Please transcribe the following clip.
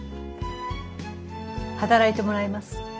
働いてもらいます。